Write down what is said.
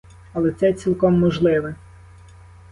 Але це цілком можливе?